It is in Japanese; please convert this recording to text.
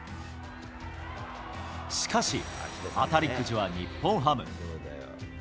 しかし、当たりくじは日本ハム。